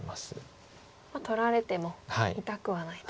取られても痛くはないと。